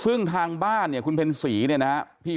แข็งแข็งแข็งแข็งแข็งแข็งแข็ง